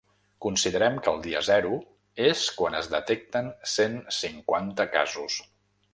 Considerem que el dia zero és quan es detecten cent cinquanta casos.